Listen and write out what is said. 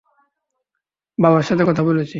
বাবার সাথে কথা বলেছি।